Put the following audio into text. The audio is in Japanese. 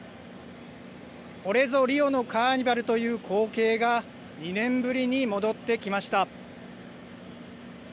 これぞリオのカーニバルという光景が、２年ぶりに戻ってきました。